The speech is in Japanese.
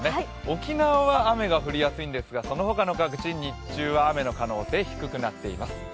沖縄は雨が降りやすいんですがそのあとの各地、日中は雨の可能性が高くなっています。